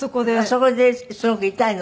そこですごく痛いの？